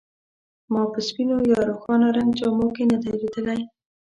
ما په سپینو یا روښانه رنګ جامو کې نه دی لیدلی.